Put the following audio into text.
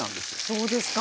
そうですか。